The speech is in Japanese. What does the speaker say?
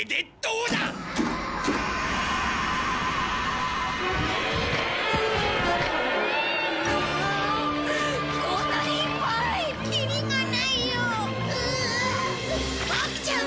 ううボクちゃん